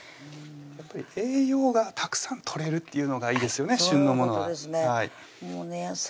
やっぱり栄養がたくさんとれるっていうのがいいですよね旬のものはそういうことですね